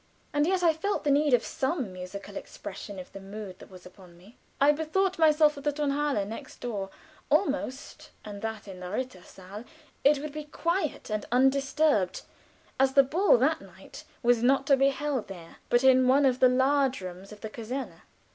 And yet I felt the need of some musical expression of the mood that was upon me. I bethought myself of the Tonhalle, next door, almost, and that in the rittersaal it would be quiet and undisturbed, as the ball that night was not to be held there, but in one of the large rooms of the Caserne.